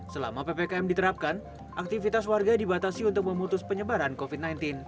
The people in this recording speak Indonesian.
selama ppkm diterapkan aktivitas warga dibatasi untuk memutus penyebaran covid sembilan belas